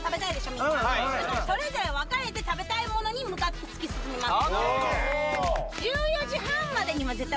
みんなだからそれぞれ分かれて食べたいものに向かって突き進みます